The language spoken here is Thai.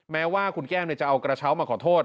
แม้ว่าคุณแก้มจะเอากระเช้ามาขอโทษ